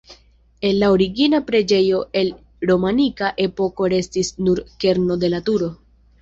El la origina preĝejo el romanika epoko restis nur kerno de la turo.